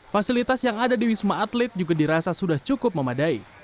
fasilitas yang ada di wisma atlet juga dirasa sudah cukup memadai